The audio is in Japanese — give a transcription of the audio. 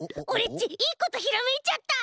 っちいいことひらめいちゃった。